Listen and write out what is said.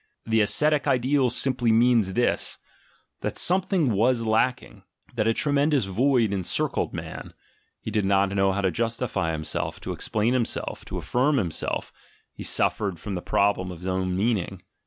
The ascetic ideal simply means this: that something was lacking, that a tremend ous void encircled man — he did not know how to justify himself, to explain himself, to affirm himself, he suffered from the problem of his own meaning.